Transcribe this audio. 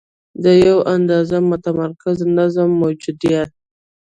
د یوه اندازه متمرکز نظم موجودیت.